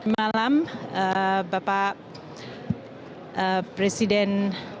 malam bapak presiden